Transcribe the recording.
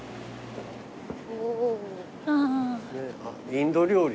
インド料理。